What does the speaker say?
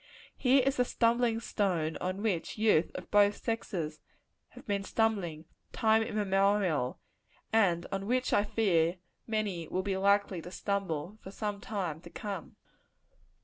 Here is the stumbling stone on which youth of both sexes have been stumbling, time immemorial; and on which, I fear, many will be likely to stumble for some time to come.